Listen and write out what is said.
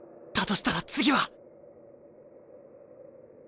としたら次は。